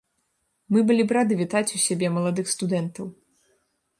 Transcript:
Мы былі б рады вітаць у сябе маладых студэнтаў.